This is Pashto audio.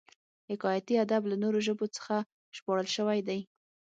حکایتي ادب له نورو ژبو څخه ژباړل شوی دی